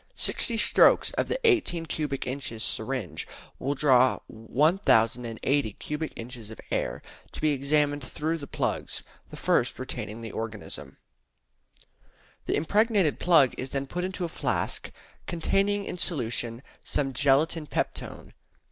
Sixty strokes of the 18 cubic inches syringe will draw 1080 cubic inches of the air to be examined through the plugs, the first retaining the organisms. The impregnated plug is then put into a flask containing in solution some gelatine peptone.